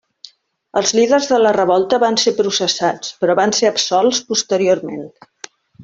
Els líders de la revolta van ser processats, però van ser absolts posteriorment.